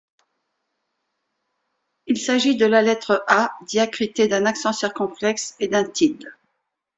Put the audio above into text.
Il s’agit de la lettre A diacritée d’un accent circonflexe et d’un tilde.